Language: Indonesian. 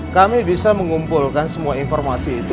kami bisa mengumpulkan semua informasi itu